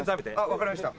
分かりました。